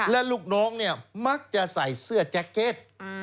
และลูกน้องเนี่ยมักจะใส่เสื้อแจ็คเก็ต